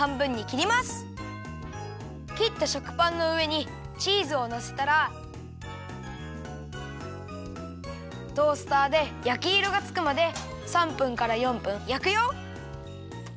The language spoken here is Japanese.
きった食パンのうえにチーズをのせたらトースターでやきいろがつくまで３分から４分やくよ。